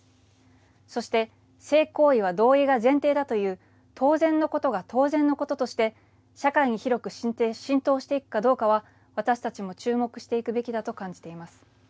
そして性行為は同意が前提だという当然のことが当然のこととして社会に広く浸透していくかどうかは私たちも注目していくべきだと感じています。